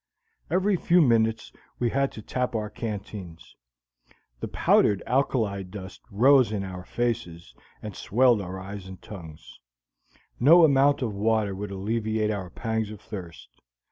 Every few minutes we had to tap our canteens; the powdered alkali dust rose in our faces and swelled our eyes and tongues; no amount of water would alleviate our pangs of thirst.